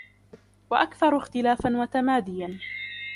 وَأَكْثَرُ اخْتِلَافًا وَتَمَادِيًا